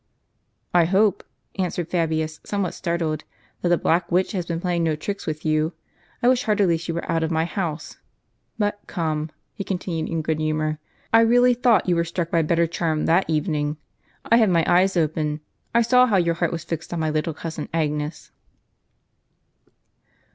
" I hope," answered Fabius, somewhat startled, " that the black witch has been playing no tricks with you ; I wish heartily she were out of my house. But, come," he continued in good humor, " I really thought you were struck by a better charm that evening. I have my eyes open ; I saw how your heart was fixed on my little cousin Agnes."